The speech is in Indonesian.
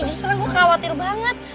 justru sekarang gue khawatir banget